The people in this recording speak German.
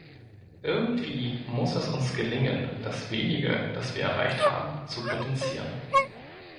Irgendwie muss es uns gelingen, das Wenige, das wir erreicht haben, zu potenzieren.